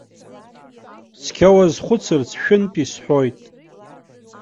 Цқьа уазхәыцырц шәынтә исҳәоит.